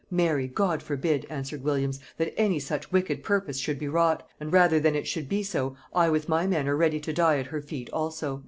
"Marry, God forbid," answered Williams, "that any such wicked purpose should be wrought; and rather than it should be so, I with my men are ready to die at her feet also."